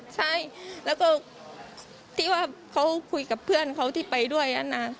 ใช่แล้วก็ที่ว่าเขาคุยกับเพื่อนเขาที่ไปด้วยนะ